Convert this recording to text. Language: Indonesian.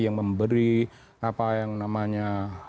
yang memberi apa yang namanya